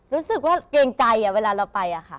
รู้สึกว่าเกรงใจเวลาเราไป